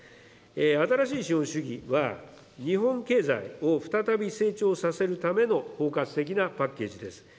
新しい資本主義は、日本経済を再び成長させるための包括的なパッケージです。